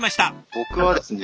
僕はですね